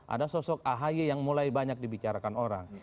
ada sosok ahy yang mulai banyak dibicarakan orang